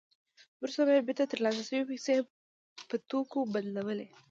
وروسته به یې بېرته ترلاسه شوې پیسې په توکو بدلولې